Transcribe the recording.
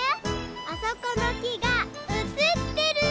あそこのきがうつってる！